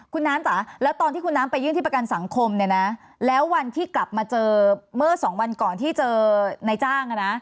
คุณน้ำจ๋าแล้วตอนที่คุณน้ำไปยื่นที่ประกันสังคมเนี่ยนะแล้ววันที่กลับมาเจอเมื่อสองวันก่อนที่เจอในจ้าง